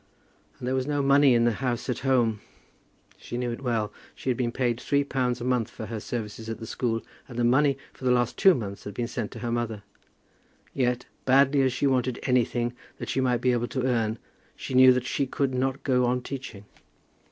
And there was no money in the house at home. She knew it well. She had been paid three pounds a month for her services at the school, and the money for the last two months had been sent to her mother. Yet, badly as she wanted anything that she might be able to earn, she knew that she could not go on teaching.